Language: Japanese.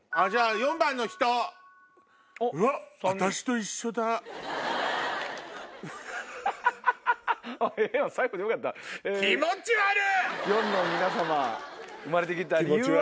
４の皆様生まれて来た理由は。